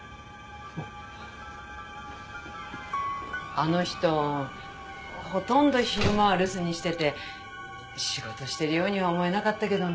あの人ほとんど昼間は留守にしてて仕事してるようには思えなかったけどな。